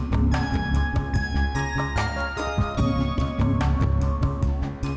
buat yang disanyikan